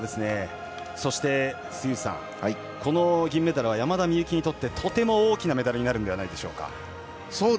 そして、この銀メダルは山田美幸にとってとても大きなメダルになるんではないでしょうか。